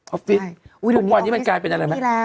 อฟฟิศทุกวันนี้มันกลายเป็นอะไรไหม